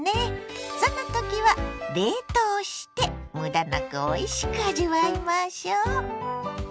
そんなときは冷凍してむだなくおいしく味わいましょ。